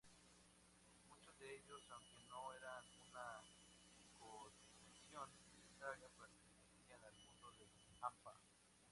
Muchos de ellos, aunque no era una condición necesaria, pertenecían al mundo del hampa.